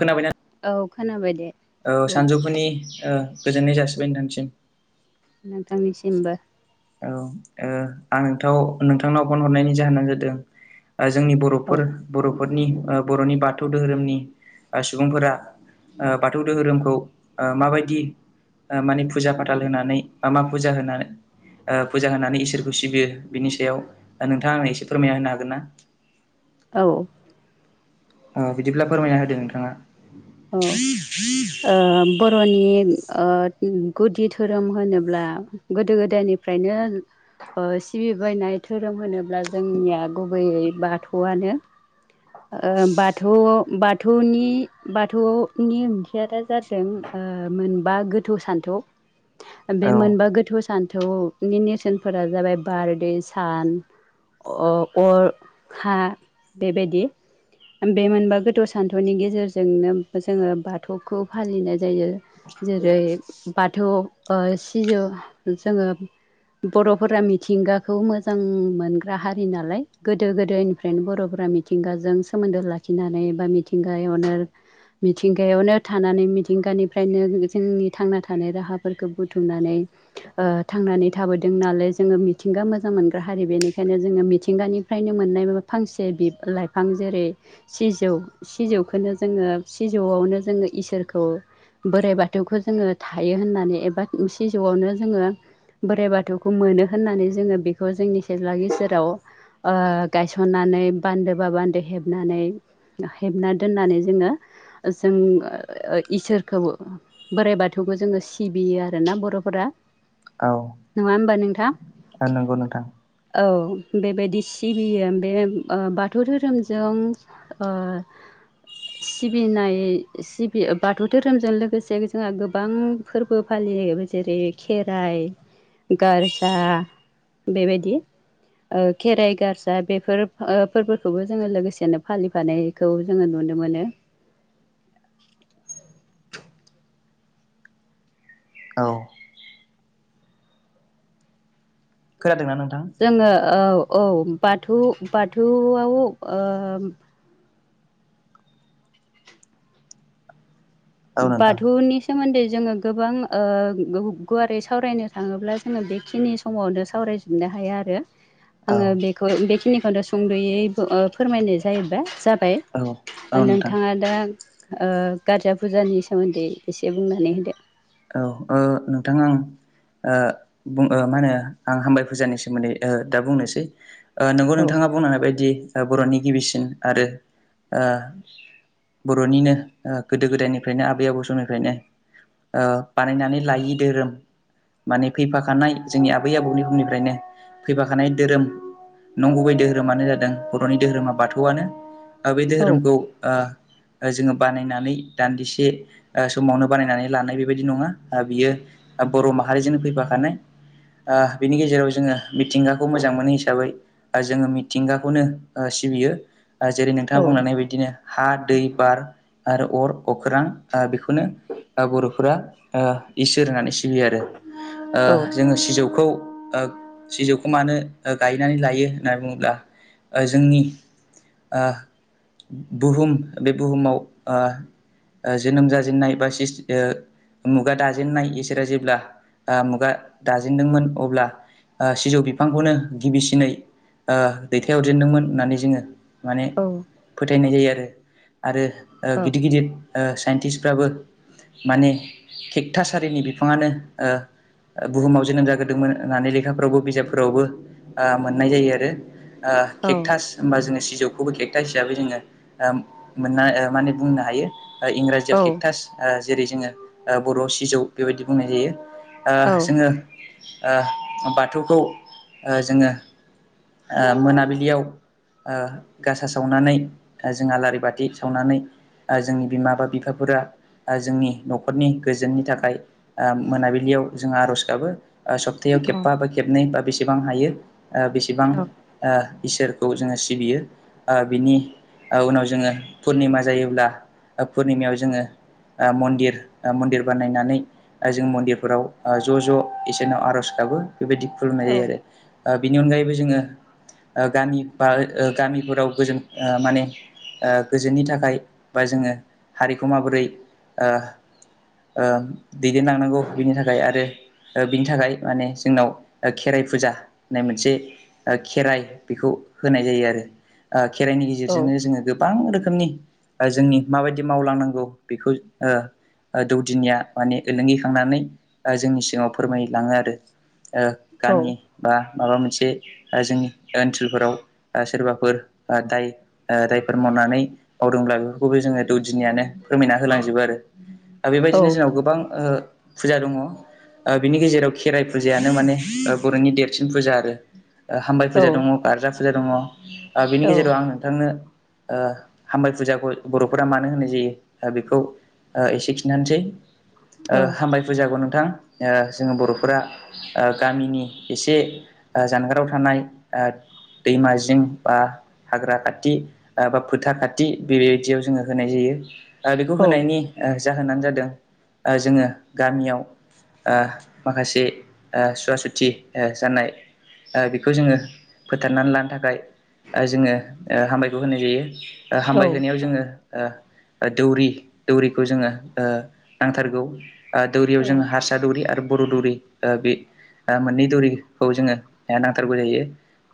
खोनाबायना औ खोनाबाय दे ओ बुं सानजौफुनि गोजोननाय जासिबाय नोंथांसिम नोंथांनिसिमबो औ आंथ नोंथांनाव फन हरनायनि जाहोनानो जादों जोंनि औ बर'फोर बर' फोरनि बर'नि बाथौ दोहोरोमनि सुबुंफोरा बाथौ दोहोरोमखौ माबायदि माने फुजा फाथाल होनानै बा मा फुजा होनानै फुजा होनानै इसोरखौ सिबियो बिनि सायाव नोंथाङा आंनो एसे फोरमायना होनो हागोनना औ अ बिदिब्ला फोरमायना होदो नोंथाङा औ ओ बर'नि गुदि धोरोम होनोब्ला गोदो गोदायनिफ्रायनो सिबिबायनाय धोरोम होनोब्ला जोंनिया गुबैयै बाथौआनो [inaudible] ओ बाथौ बाथौनि बाथौनि ओंथिया जादों मोनबा गोथौ सान्थौ बे औ मोनबा गोथौ सान्थौनि नेरसोनफोरा जाबाय बार दै सान अ अर हा बेबायदि बे मोनबा गोथौ सान्थौनि गेजेरजों जोंनो जोङो बाथौखौ फालिनाय जायो जेरै बाथौ सिजौ जोङो बर'फोरा मिथिंगाखौ मोजां मोनग्रा हारि नालाय गोदो गोदायनिफ्रायनो बर'फोरा मिथिंगाजों सोमोन्दो लाखिनानै बा मिथिंगायावनो मिथिंगायावनो थानानै मिथिंगानिफ्रायनो जोंनि थांना थानाय राहाफोरखौ बुथुमना ओ थांनानै थाबोदों नालाय जोङो मिथिंगा मोजां मोनग्रा हारि बेनिखायनो जोङो मिथिं गानिफ्रायनो मोननाय मा फांसे लाइफां जेरै सिजौ सिजौखौनो जोङो सिजौआवनो जोङो इसोरखौ बोराइ बाथौखौ जोङो थायो होननानै एबा सिजौआवनो जोङो बोराइ बाथौखौ मोनो होननानै जोङो बेखौ जोंनि सेज्ला गेजेराव गायसनना बान्दो बा बान्दो हेबनानै हेबना दोननानै जोङो जों इसोरखौ बोराइ बाथौखौ जोङो सिबियो आरोना। बर'फोरा नङा होमबा नोंथां? ओ नंगौ नोंथां। औ बेबायदि सिबियो बे बाथौ धोरोमजों ओ सिबिनाय सिबि बाथौ धोरोमजों लोगोसे जोंहा गोबां फोरबो फालियो। जेरै खेराइ गारजा बेबायदि। ओ खेराइ गारजा बेफोर फोरबोखौबो जोङो लोगोसेनो फालिफानायखौ जोङो नुनो मोनो। [inaudible] औ खोनादोंना नोंथां जोङो औ औ बाथौ बाथौआव औ नोंथां बाथौनि सोमोन्दै जोङो गोबां गुवारै सावरायनो थाङोब्ला जोङो बेखिनि समावनो सावरायजोबनो हाया आरो आङो औ बेखौ बेखिनिखौनो सुंद'यै फोरमायनाय जायोबा जाबाय औ औ नोंथां नोंथाङा दा गारजा फुजानि सोमोन्दै एसे बुंनानै होदो। औ अ नोंथां आं आं बुं मा होनो आं हामबाय फुजानि सोमोन्दै दा बुंनोसै। आं नोंगौ औ नोंथाङा बुंनो हानाय बायदि बर'नि गिबिसिन आरो बर'निनो गोदो गोदायनिफ्रायनो आबै आबौ समनिफ्रायनो ओ बानायनानै लायि धोरोम। माने फैफाखानाय जोंनि आबै आबौनि समनिफ्रायनो फैफाखानाय धोरोम। नंगुबै धोरोमानो जादों बर'नि दोहोरोमा बाथौआनो। बै औ दोहोरोमखौ ओ जोङो बानायनानै दान्दिसे समावनो बानायनानै लानाय बे बेबायदि नङा बियो बर' माहारिजोंनो फैफाखानाय बिनि गेजेराव जोङो मिथिंगाखौ मोजां मोनो हिसाबै जोङो मिथिंगाखौनो सिबियो। जेरै नोंथाङा औ बुंनानै बायदिनो हा दै बार आरो अर अख्रां बेखौनो बर'फोरा इसोर होननानै सिबि आरो औ जोङो सिजौखौ ओ सिजौखौ मानो गायनानै लायो होननानै बुङोब्ला जोंनि ओ बुहुम बे बुहुमाव जोनोम जाजेनन्नाय बा सिसटि मुगा दाजेननाय इसोरा जेब्ला मुगा दाजेनदोंमोन अब्ला सिजौ बिफांखौनो गिबिसिनै ओ दैथायहरजेनदोंमोन होननानै जोङो माने औ फोथायनाय जायो आरो आरो गिदिर गिदिर साइन्टिस्फ्राबो माने खिक थासारिनि बिफाङानो बुहुमाव जोनोम जागोरोदोंमोन होननानै लेखाफोरावबो बिजाबफोरावबो मोननाय जायो आरो केकथास होनबा जों खौबो केेकटास हिसाबै जोङो मोनननो माने बुंनो हायो। ओ औ इंराजियाव औ केकटास ओ जेरै जोङो ओ बर'आव सिजौ बेबायदि बुंनाय जायो। ओ औ जोङो ओ बाथौखौ ओ जोङो ओ मोनाबिलियाव ओ गासा सावनानै ओ जों आलारि बाथि सावनानै ओ जोंनि बिमा बा बिफाफोरा ओ जोंनि न' खरनि गोजोननि थाखाय ओ मोनाबिलियाव जों आर'ज गाबो। ओ सब्तायाव खेबबा बा खेबनै बा बेसेबां हायो ओ बेसेबां ओ इसोरखौ जोङो सिबियो ओ बिनि ओ उनाव जोङो पुर्निमा जायोब्ला ओ पुर्निमायाव जोङो ओ मन्दिर ओ मन्दिर बानायनानै ओ जों मन्दिरफोराव ओ ज' ज' इसोरनाव आर'ज गाबो बेबायदि खुलुमनाय जायो आरो ओ बेनि अनगायैबो जोङो ओ गामि बा ओ गामिफोराव गोजों ओ माने ओ गोजोननि थाखाय बा जोङो हारिखौ माबोरै ओ ओ दैदेनलांनांगौ बिनि थाखाय आरो ओ बिनि थाखाय माने जोंनाव ओ खेराइ फुजा होननाय मोनसे ओ खेराइ बेखौ होनाय जायो आरो। ओ खेराइनि गेजेरजोंनो जोङो गोबां रोख खोमनि ओ जोंनि माबायदि मावलांनांगौ बेखौ ओ ओ दौदिनिया माने ओलोंगिखांनानै ओ जोंनि सिगाङाव फोरमायलाङो आरो। ओ गामि बा माबा मोनसे ओ जोंनि ओनसोलफोराव ओ सोरबाफोर ओ दाय ओ दायफोर माव नानै मावदोंब्ला बेफोरखौबो जोङो दौदिनियानो फोरमायना होलांजोबो आरो। दा बेबायदिनो जोंनाव गोबां ओ फुजा दङ। ओ बिनि गेजेराव खेराइ फुजायानो माने ओ बर'नि देरसिन फुजा आरो ओ हामबाय फुजा दङ गार्जा फुजा दङ आ बिनि गेजेराव आं नोंथांनो ओ हामबाय फुजाखौ बर'फोरा मानो होनाय जायो ओ बेखौ ओ एसे खि खिनथानसै ओ हामबाय फुजाखौ नोंथां ओ जोङो बर'फोरा ओ गामिनि एसे ओ जानगाराव थानाय ओ दैमाजिं बा हाग्रा खाथि बा आ फोथार खाथि बेबायदियाव जोङो होनाय जायो। आ बेखौ होनायनि ओ जाहोनानो जादों ओ जोङो गामियाव ओ माखासे ओ सुवा सुथि ओ जानाय ओ बेखौ जोङो फोथारनानै लानो थाखाय ओ जोङो ओ हामबायखौ होनाय जायो। ओ हामबाय होनायाव जोङो ओ ओ दौरि दौरिखौ जोङो ओ नांथारगौ ओ दौरियाव जोङो हारसा दौरि आरो बर' दौरि ओ बे मोननै ओ दौरिखौ जोङो ओ नांथारगौ जायो।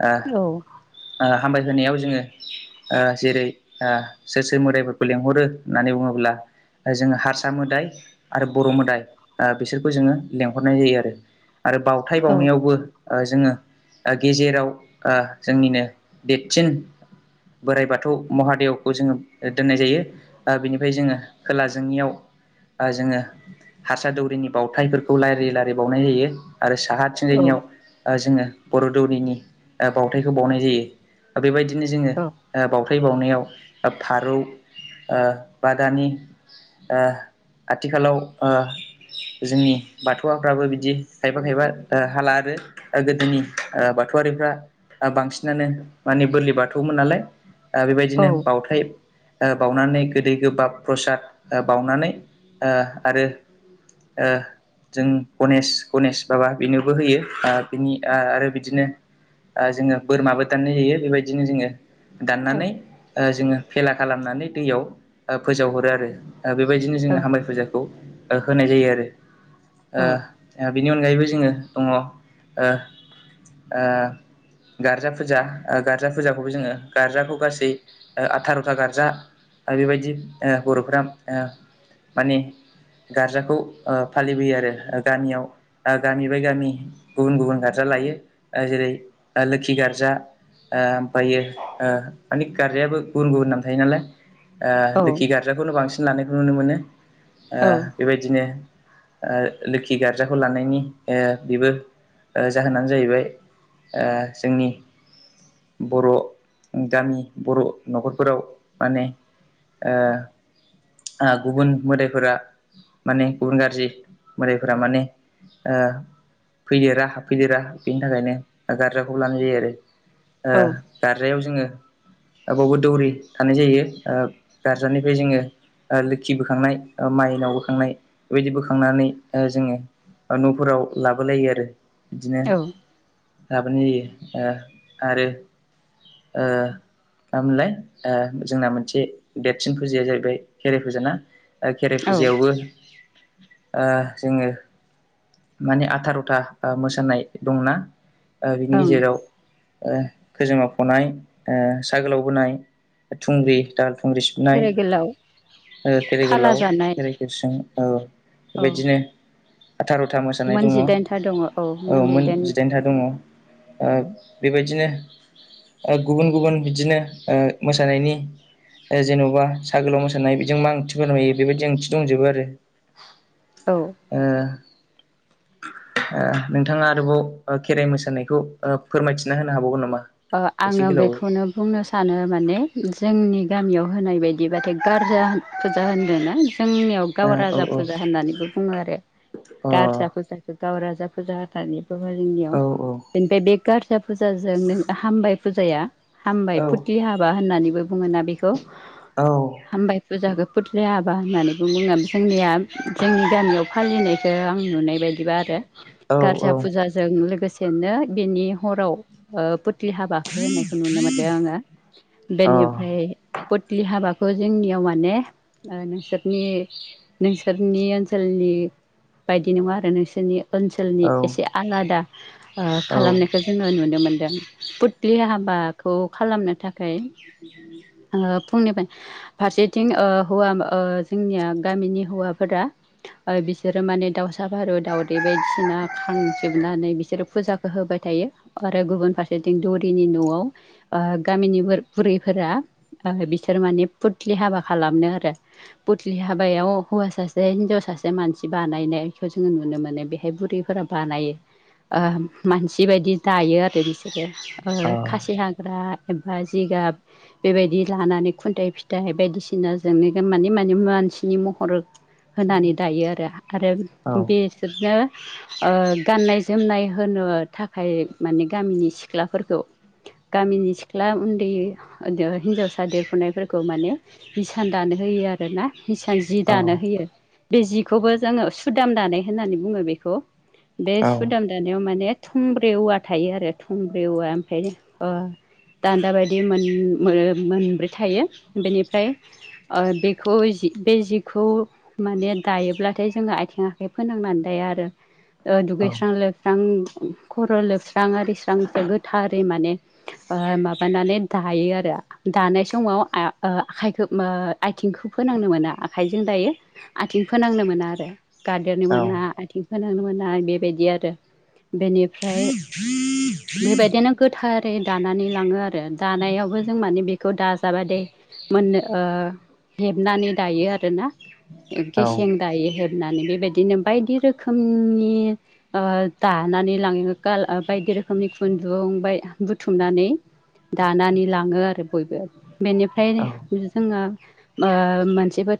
आ आ हामबाय होनोनायाव जोङो ओ जेरै ओ सोर सोर मोदायफोरखौ लेंहरो होननानै बुङोब्ला जोङो हारसा मोदाय आरो बर' मोदाय आ बिसोरखौ जोङो लेंहरनाय जायो आरो। आरो बावथाय बावनायावबो ओ जोङो ओ गेजेराव ओ जोंनिनो देरसिन बोराइ बाथौ महादेवखौ जोङो ओ दोननाय जायो। ओ बिनिफ्राय जोङो खोला जोंनियाव ओ जोङो हारसा दौरिनि बावथायफोरखौ लारि लारि बावनाय जायो। आरो साहाथिंजायनियाव ओ जोङो बर' दौरिनि ओ बावथायाइखौ बावनाय जायो आ बेबायदिनो जोङो ओ बाव फैबावनायाव आ फारौ ओ बा दानि ओ आथिखालाव ओ जोंनि बाथौआबो दाबो बिदि खायफा खायफा ओ हाला आरो ओ गोदोनि ओ बाथ थौवारिफ्रा आ बांसिनानो माने बोरलि बाथौमोन नालाय ओ बेबायदिनो बाउथाय ओ बावनानै गोदै गोबाब प्रसाद ओ बावनानै ओ आरो ओ जों गनेश गनेश बाबा बेनोबो होयो ओ बिनि ओ आरो बिदिनो ओ जोङो बोरमाबो दाननाय जायो बेबायदिनो जोङो दाननानै जोङो भेला खालामनानै दैयाव फोजावहरो आरो बेबायदिनो जोङो हामबाय फुजाखौ होनाय जायो आरो ओ बिनि अनगायैबो जोङो दङ ओ ओ गार्जा फुजा गार्जा फुजाखौबो जोङो गार्जाखौ गासै आथार'था गार्जा बेबायदि ओ बर'फोरा ओ माने गार्जाखौ ओ फालिबोयो आरो गामियाव गामि बाय गामि गुबुन गुबुन गारजा लायो जेरै लोखि गार्जा ओ ओमफ्रायो मानि गारनायायाबो गुबुन गुबुन नाम थायो नालाय ओ औ लोखि गार्जाखौनो बांसिन लानायखौ नुनो मोनो ओ ओं बेबायदिनो ओ लोखि गार्जाखौ लानायनि ओ बेबो ओ जाहोनानो जाहैबाय ओ जोंनि बर' गामि बर' न'खरफोराव माने ओ ओ गुबुन मोदायफोरा माने गुबुन गाज्रि मोदायफोरा माने ओ फैदेरा हाबफैदेरा बेनि थाखायनो गारजाखौ लानाय जायो आरो ओ गारजायाव जोङो बबावबो दौरि थानाय जायो गारजानिफ्राय जोङो लोखि बोखांनाय माइनाव बोखांनाय बेबायदि बोखांनानै जोङो न'फोराव लाबोलायो आरो बिदिनो लाबोय जायो ओ आरो ओ मा मोनलाय ओ जोंना मोनसे देेरसिन फुजिया जाहैबाय खेराइ फुजा ना खेराइ फुजायावबो ओ जोङो माने आथार'था मोसानाय दंना ओ बिनि गेजेराव ओ खोजोमा फ'नाय ओ सा गोलाव बोनाय थुंग्रि दाहाल थुंग्रि सिबनाय खेराइ गोलाव खेराइ फाला गोलाव जानाय खेराइ गुसुं औ बेबायदिनो आथार'था मोसानाय मोन दङ औ जिदाइनथा दङ औ मोन जिदाइन जिदाइनथा दङ ओ बेबायदिनो गुबुन गुबुन बिदिनो मोसानायनि जेन'बा सागोलाव मोसा नाय बिजों मा ओंथि फोरमायो बेबायदि ओंथि दंजोबो आरो ओ [inaudible] नोंथाङा आरोबाव खेराइ मोसानायखौ फोरमायथिना होनो हाबावगोन नामा? एसे आङो गोलावै बेखौनो बुंनो सानो माने जोंनि गामियाव होनाय बायदिबाथाय गारजा फुजा होनदों ना जोंनियाव गाव ओ राजा फुजा होननानैबो बुङो आरो औ गारजा फुजाखौ गाव राजा फुजा खाथारानिबो जोंनियाव अ औ बेनिफ्राय बे गारजा फुजाजों हामबाय फुजाया हामबाय औ फुथलि हाबा होननानैबो बुङोना बेखौ औ हामबाय फुजाखौ फुथलि हा बा होननानै बुङो जोंनिया जोंनि गामियाव फालिनायखौ आं नुनाय बायदिबा आरो औ अ गारजा औ फुजाजों लोगोसेनो बेनि हराव ओ फुथलि हाबाखौ होनायखौ नुनो मोनदों आङो बेनिफ्राय फुथलि हाबा खौ जोंनियाव माने नोंसोरनि नोंसोरनि ओनसोलनि बायदि नङा आरो नोंसोरनि ओनसोलनि एसे आलादा औ खालामनायखौ जोङो नुनो मोनदों। फुथलि हाबाखौ खालामनो थाखाय फुंनिफ्राय फारसेथिं ओ हौवा ओ जोंनिया गामिनि हौवाफोरा बिसोरो माने दावसा फारौ दाउदै बायदिसिना खांजोबनानै बिसोरो फुजाखौ हो होबाय थायो आरो गुबुन फार सेथिं दौरिनि न'आव गामिनि बुरैफोरा बिसोर माने फुथलि हाबा खालामनो आरो फुथ्लि हाबायाव हौवा सासे हिनजाव सा सासे मानसि बानायनायखौ जोङो नुनो मोनो बेहाय बुरैफोरा बानायो। ओ मानसि बायदि दायो आरो बिसोरो खासि हाग्रा एबा जिगाब बेबायदि लानानै खुन्थाइ फिथाइ बायदिसिनाजोंनो माने माने मानसिनि महर होनानै दायो आरो आरो अ औ बेसोरनो ओ गाननाय जोमनाय होनो थाखाय माने गामिनि सिख्लाफोरखौ गामिनि सिख्ला उन्दै हिनजावसा देरफुनायफोरखौ माने हिसान दानो होयो आरोना हिसान जि औ दानो होयो बे जिखौबो जोङो सुदाम दानाय होननानै बुङो बेखौ बे सुदाम दानायाव माने थुंब्रे औवा थायो आरो थुंब्रे औवा ओमफ्राय अ दान्दा बायदि मोनब्रै थायो बेनिफ्राय बेखौ बे जिखौ माने दायोब्लाथाय जोङो आथिं आखाइ फोनांनानै दाया आरो दुगैस्रां लोबस्रां खर' लोबस्रां आरिस्रांसो गोथारै माने माबानानै दायो आरो दानाय समाव आखाइखौ आथिंखौ फोनांनो मोना आखाइजों दायो आथिं फोनांनो मोना आरो गारदेरनो मोना आथिं फोनांनो मोना मोननाय बेबायदि आरो बेनिफ्राय [inaudible] बेबायदिनो गोथारै दानानै लाङो आरो दानायावबो जों माने बेखौ दाजाबा दे [unintelligible] मोननो हेबनानै दायो आरोना औ गेसें दायो हेबनानै बेबायदिनो बायदि रोखोमनि दा नानै लाङो गाल बायदि रोखोमनि खुन्दुं बाय बुथुमनानै दानानै लाङो आरो बयबो बेनिफ्राय औ जोङो मोनसेबो